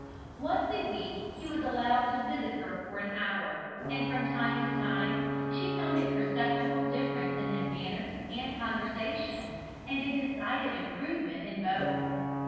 Once a week he was allowed to visit her for an hour, and from time to time she found a perceptible difference in his manners and conversation, and a decided improvement in both.